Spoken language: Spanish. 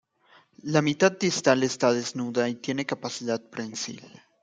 La mitad distal está desnuda y tiene capacidad prensil.